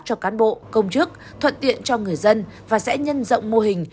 cho cán bộ công chức thuận tiện cho người dân và sẽ nhân rộng mô hình